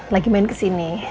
lagi main kesini